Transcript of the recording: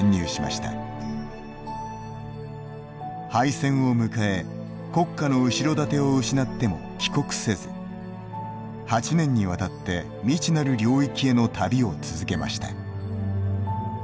敗戦を迎え国家の後ろ盾を失っても帰国せず８年にわたって未知なる領域への旅を続けました。